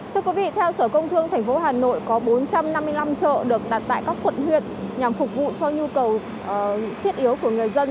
thưa quý vị theo sở công thương tp hà nội có bốn trăm năm mươi năm chợ được đặt tại các quận huyện nhằm phục vụ cho nhu cầu thiết yếu của người dân